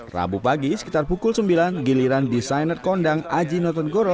rabu pagi sekitar pukul sembilan giliran desainer kondang aji notonggoro